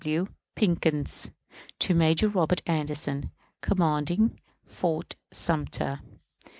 F. W. PICKENS. To Major Robert Anderson, commanding Fort Sumter.